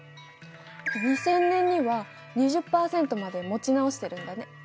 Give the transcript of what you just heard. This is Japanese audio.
２０００年には２０％まで持ち直してるんだね。